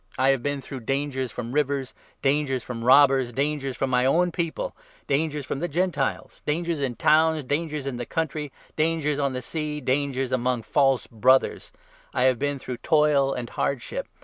I have been through dangers from rivers, dangers from robbers, dangers from my own people, dangers from the Gentiles, dangers in towns, dangers in the country, dangers on the sea, dangers among false Brothers. I have 27 been through toil and hardship.